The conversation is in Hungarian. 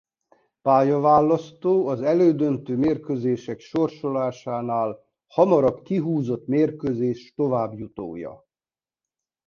Pályaválasztó az elődöntő mérkőzések sorsolásánál hamarabb kihúzott mérkőzés továbbjutója.